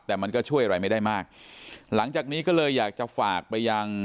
แต่มันก็ช่วยอะไรไม่ได้มากหลังจากนี้ก็เลยอยากจะฝากไปยัง